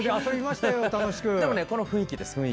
でもこの雰囲気です。